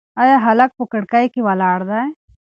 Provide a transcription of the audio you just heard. ایا هلک په کړکۍ کې ولاړ دی؟